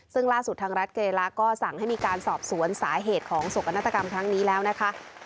ซึ่งล่าสุดทางรัฐเกลาก็สั่งให้มีการสอบสวนสาเหตุของศกนาฏกรรมครั้งนี้แล้วนะคะ